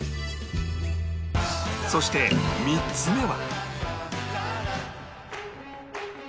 そして３つ目は